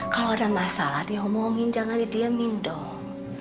kalau ada masalah diomongin jangan diamin dong